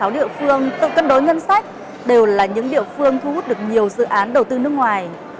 sáu địa phương tự cân đối ngân sách đều là những địa phương thu hút được nhiều dự án đầu tư nước ngoài